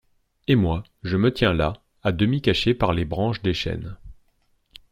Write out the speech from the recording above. Et moi, je me tiens là, à demi caché par les branches des chênes.